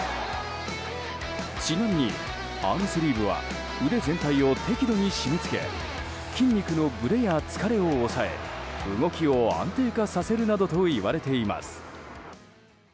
ちなみにアームスリーブは腕全体を適度に締め付け筋肉のブレや疲れを抑え動きを安定化させるなどといわれています。